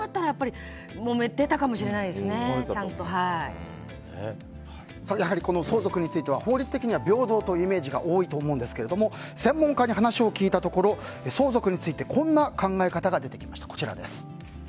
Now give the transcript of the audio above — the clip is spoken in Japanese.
それがなかったら相続については法律的には平等というイメージも多いかと思いますが専門家に話を聞いたところ相続についてこんな考え方が出てきました。